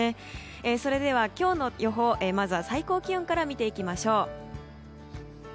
それでは、今日の予報まずは最高気温から見ていきましょう。